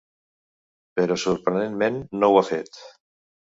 Però sorprenentment no ho ha fet.